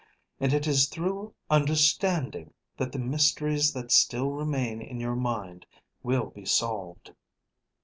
And it is through understanding that the mysteries that still remain in your mind will be solved."